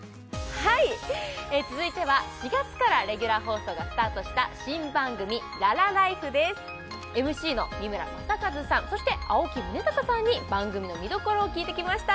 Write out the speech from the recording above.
はい続いては４月からレギュラー放送がスタートした新番組「ララＬＩＦＥ」ですＭＣの三村マサカズさんそして青木崇高さんに番組の見どころを聞いてきました